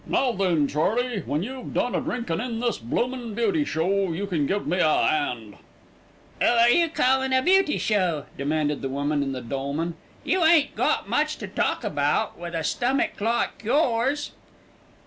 "Now then, Charley, when you've done a drinkin' in this bloomin' beauty show, you can give me a 'and." "'Oo are you calling a beauty show?" demanded the woman in the dolman. "You ain't got much to talk about, with a stummick like yours."